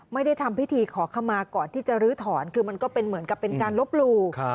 ไม่ได้ทำพิธีขอขมาก่อนที่จะลื้อถอนคือมันก็เป็นเหมือนกับเป็นการลบหลู่